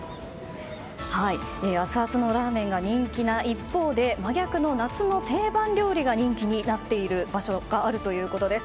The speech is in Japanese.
アツアツのラーメンが人気な一方で真逆の夏の定番料理が人気になっている場所があるということです。